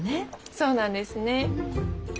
そうなんですね。